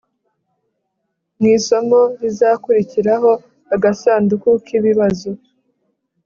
mu isomo rizakurikiraho agasanduku k'ibibazo